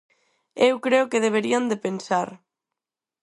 Eu creo que deberían de pensar.